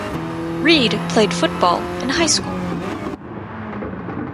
Reed played football in high school.